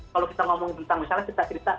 kalau kita ngomong tentang misalnya cerita cerita